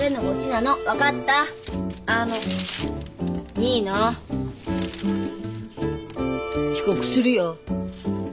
いいの？遅刻するよ。